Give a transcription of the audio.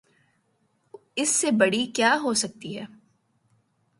اس سے بڑی کیا ہو سکتی ہے؟